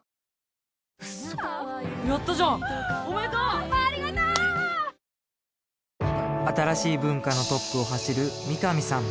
東京海上日動新しい文化のトップを走る三上さん